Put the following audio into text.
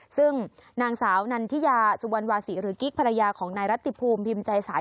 ซึ่งนางสาวนันทิยาสุวรรณวาศีหรือกิ๊กภรรยาของนายรัติภูมิพิมพ์ใจสาย